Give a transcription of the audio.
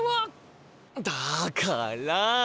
だから！